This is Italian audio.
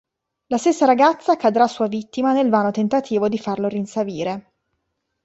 La stessa ragazza cadrà sua vittima nel vano tentativo di farlo rinsavire.